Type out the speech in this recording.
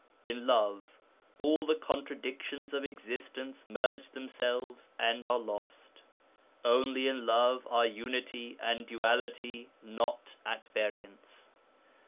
'In love all the contradictions of existence merge themselves and are lost. Only in love are unity and duality not at variance.